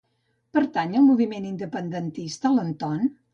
Pertany al moviment independentista l'Antón?